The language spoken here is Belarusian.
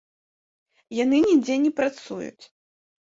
Яны нідзе не працуюць.